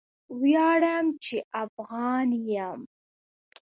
ویاړم چې افغان یم!